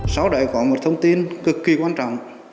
sau đấy có một thông tin cực kỳ quan trọng